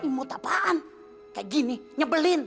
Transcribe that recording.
imut apaan kayak gini nyebelin